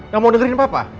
kamu mau dengerin apa pa